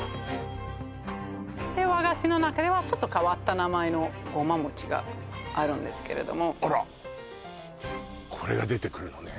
和菓子の中ではちょっと変わった名前のごま餅があるんですけれどもあらっこれが出てくるのね